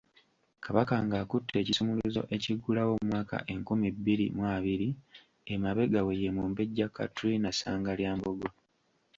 Kabaka ng’akutte ekisumuluzo okuggulawo omwaka enkumi bbiri mu abiri, emabega we ye Mumbejja Katrina Ssangalyambogo.